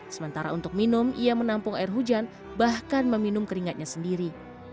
sementara untuk minum ia menampung air hujan bahkan meminum keringatnya sendiri